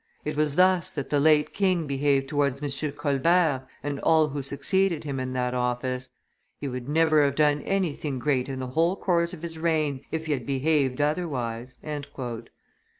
It was thus that the late king behaved towards M. Colbert and all who succeeded him in that office; he would never have done anything great in the whole course of his reign, if he had behaved otherwise."